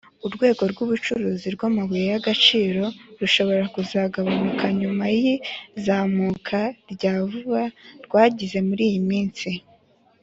urwego rw'ubucukuzi bw'amabuye y'agaciro rushobora kuzagabanuka nyuma y'izamuka rya vuba rwagize muri iyi minsi.